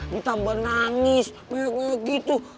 ditambah nangis mewek mewek gitu